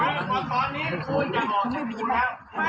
น้องชายดูเมื่อผู้ชายเลยช่วยอีกแค่ไม่รัก